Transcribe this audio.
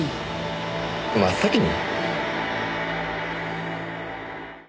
真っ先に？